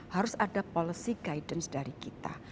harus ada policy guidance dari kita